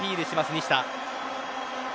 西田。